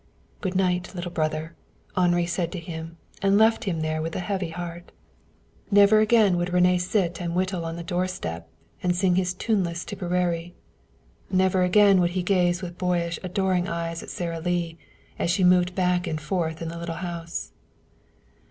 "Good night, little brother," Henri said to him, and left him there with a heavy heart. Never again would René sit and whittle on the doorstep and sing his tuneless Tipperaree. Never again would he gaze with boyish adoring eyes at Sara Lee as she moved back and forth in the little house.